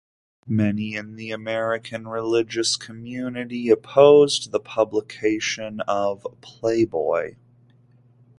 Many in the American religious community opposed the publication of "Playboy".